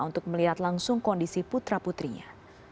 untuk melihat langsung kondisi putra putrinya